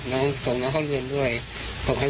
ต่างฝั่งในบอสคนขีดบิ๊กไบท์